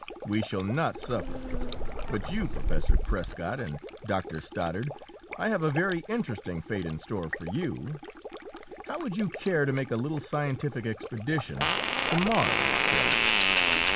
We shall not suffer. But you Professor Prescott and Doctor Stoddard I have a very interesting fate in store for you. How would you care to make a little scientific expedition to Mars, say?"